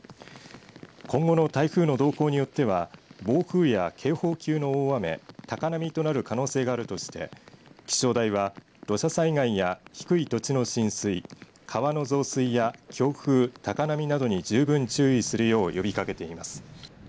今後の台風の動向によっては暴風や警報級の大雨高波となる可能性があるとして気象台は土砂災害や低い土地の浸水川の増水や強風高波などに十分注意するよう呼びかけています。